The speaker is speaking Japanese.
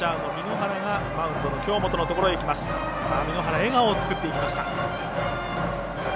簑原、笑顔を作っていきました。